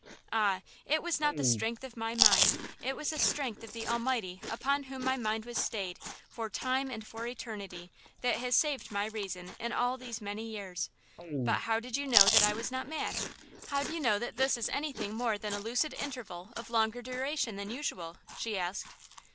"Ah! it was not the strength of my mind; it was the strength of the Almighty upon whom my mind was stayed, for time and for eternity, that has saved my reason in all these many years! But how did you know that I was not mad? How do you know that this is anything more than a lucid interval of longer duration than usual?" she asked.